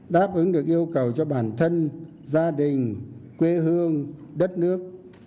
đáp ứng được yêu cầu cho bản thân gia đình quê hương đất nước